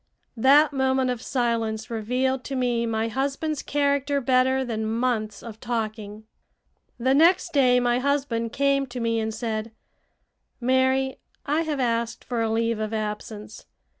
That moment of silence revealed to me my husband's character better than months of talking. The next day my husband came to me and said: "Mary, I have asked for a leave of absence.